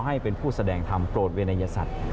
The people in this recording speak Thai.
ให้เป็นผู้แสดงธรรมโปรดเวรยศัตริย์